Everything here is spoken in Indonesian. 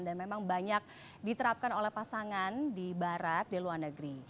dan memang banyak diterapkan oleh pasangan di barat di luar negeri